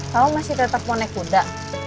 kamu masih tetap bonek kuda